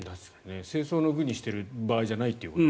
政争の具にしている場合じゃないと。